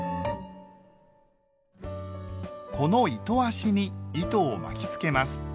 この糸足に糸を巻きつけます。